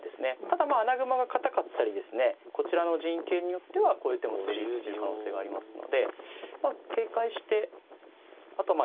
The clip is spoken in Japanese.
ただまあ穴熊が堅かったりですねこちらの陣形によってはこういう手も成立する可能性がありますので警戒してあとまあ様子見ですね。